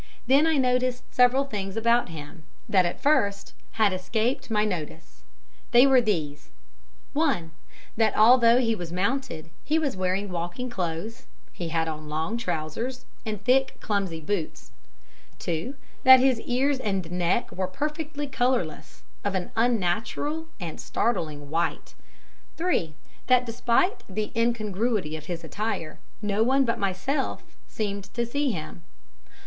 Then I noticed several things about him, that, at first, had escaped my notice. They were these: (one) that although he was mounted he was wearing walking clothes he had on long trousers and thick, clumsy boots; (two) that his ears and neck were perfectly colourless, of an unnatural and startling white; (three) that despite the incongruity of his attire, no one but myself seemed to see him.